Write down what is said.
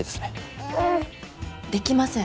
できません。